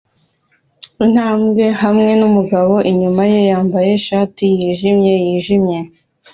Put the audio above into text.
intambwe hamwe numugabo inyuma ye yambaye ishati yijimye yijimye